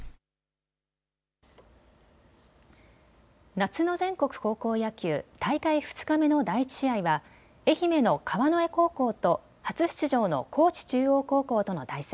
夏の全国高校野球、大会２日目の第１試合は愛媛の川之江高校と初出場の高知中央高校との対戦。